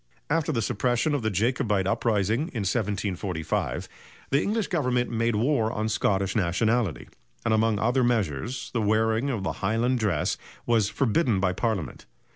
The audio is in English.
After the suppression of the Jacobite uprising of 1745, the English Government made war on Scottish nationality, and among other measures the wearing of the highland dress was forbidden by Parliament.